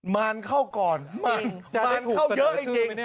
มารเข้าก่อนมารเข้าเยอะจริง